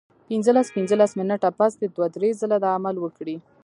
پنځلس پنځلس منټه پس دې دوه درې ځله دا عمل وکړي